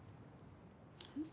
うん。